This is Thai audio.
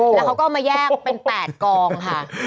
แล้วเขาก็เอามาแยกเป็น๘กองค่ะ